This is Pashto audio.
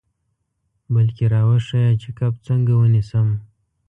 بلکې را وښیه چې کب څنګه ونیسم.